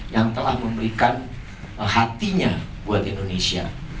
yang telah memberikan hatinya